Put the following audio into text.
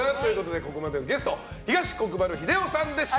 ここまでのゲスト東国原英夫さんでした。